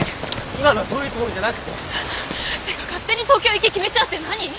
今のそういうつもりじゃなくて！っていうか勝手に東京行き決めちゃうって何？